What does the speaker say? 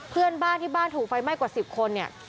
เพื่อนบ้านที่บ้านถูกไฟไหม้กว่า๑๐คนเนี่ย